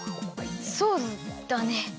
そうだね。